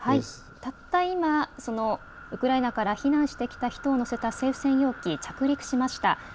たった今そのウクライナから避難してきた人を乗せた政府専用機、着陸しました。